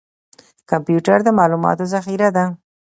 کمپیوټر د معلوماتو ذخیره ده